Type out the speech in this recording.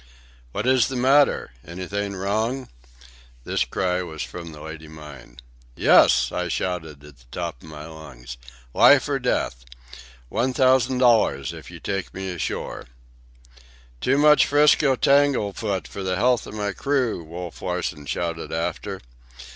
"What is the matter? Anything wrong?" This was the cry from the Lady Mine. "Yes!" I shouted, at the top of my lungs. "Life or death! One thousand dollars if you take me ashore!" "Too much 'Frisco tanglefoot for the health of my crew!" Wolf Larsen shouted after.